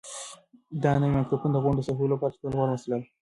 دا نوی مایکروفون د غونډو د ثبتولو لپاره تر ټولو غوره وسیله ده.